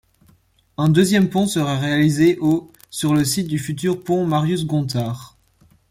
Un deuxième pont sera réalisé au sur le site du futur pont Marius-Gontard.